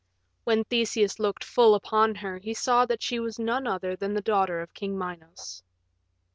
When Theseus looked full upon her he saw that she was none other than the daughter of King Minos.